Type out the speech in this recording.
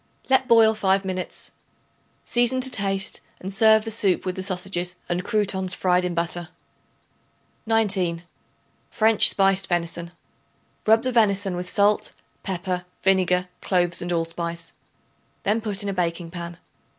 Let boil five minutes. Season to taste and serve the soup with the sausages and croutons fried in butter. 19. French Spiced Venison. Rub the venison with salt, pepper, vinegar, cloves and allspice; then put in a baking pan.